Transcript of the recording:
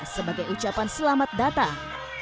sebagai ucapan selamat datang